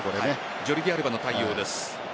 ジョルディアルバの対応です。